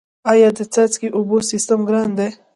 آیا د څاڅکي اوبو سیستم ګران دی؟